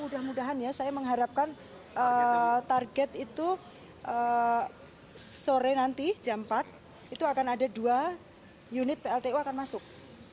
mudah mudahan ya saya mengharapkan target itu sore nanti jam empat itu akan ada dua unit pltu akan masuk